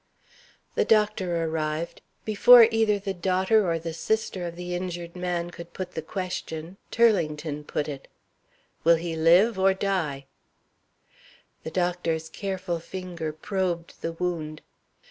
The doctor arrived. Before either the daughter or the sister of the injured man could put the question, Turlington put it "Will he live or die?" The doctor's careful finger probed the wound.